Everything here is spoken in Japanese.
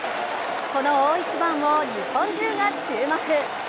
この大一番を日本中が注目！